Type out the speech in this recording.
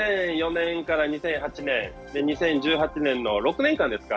２００４年から２００８年、２０１８年の６年間ですか。